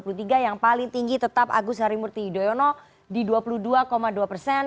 periode tiga sampai sembilan agustus dua ribu dua puluh tiga yang paling tinggi tetap agus harimurti yudhoyono di dua puluh dua dua persen